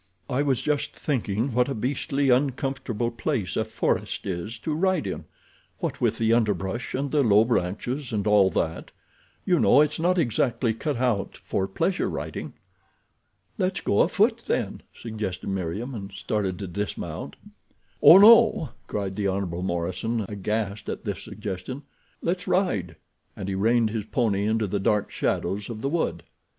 "I was just thinking what a beastly uncomfortable place a forest is to ride in. What with the underbrush and the low branches and all that, you know, it's not exactly cut out for pleasure riding." "Let's go a foot then," suggested Meriem, and started to dismount. "Oh, no," cried the Hon. Morison, aghast at this suggestion. "Let's ride," and he reined his pony into the dark shadows of the wood.